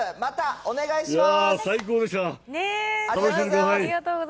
またお願いします。